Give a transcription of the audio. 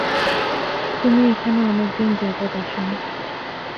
তুমি এখানে অনেকদিন যাবত আসোনি।